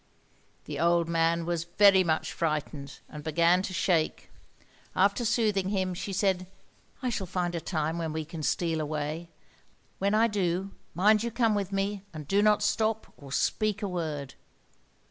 The old man was very much frightened, and began to shake. After soothing him she said, "I shall find a time when we can steal away. When I do, mind you come with me, and do not stop or speak a word."